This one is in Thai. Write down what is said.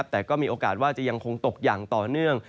แต่ก็มีโอกาสว่าจะยังคงตกอย่างต่อเนื่อง